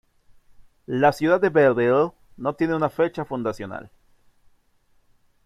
La ciudad de Bell Ville no tiene una fecha fundacional.